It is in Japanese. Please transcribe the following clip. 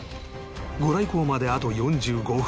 御来光まであと４５分